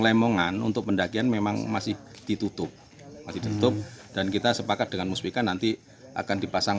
lemongan untuk pendakian memang masih ditutup dan kita sepakat dengan musyrikah nanti akan dipasang